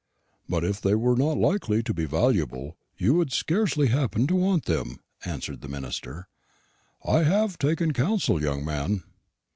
"But if they were not likely to be valuable, you would scarcely happen to want them," answered the minister. "I have taken counsel, young man."